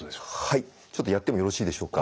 はいちょっとやってもよろしいでしょうか。